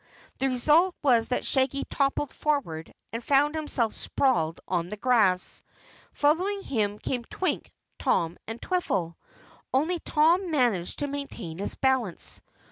The result was that Shaggy toppled forward and found himself sprawled on the grass. Following him came Twink, Tom and Twiffle. Only Tom managed to maintain his balance.